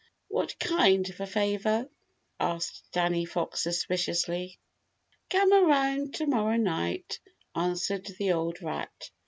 "What kind of a favor?" asked Danny Fox suspiciously. "Come around tomorrow night," answered the old rat.